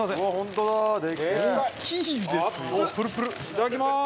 いただきます！